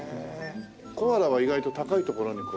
コアラは意外と高い所にこう。